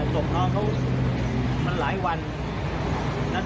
ศพน้องเขามันหลายวัน